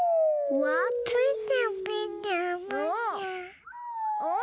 うわお！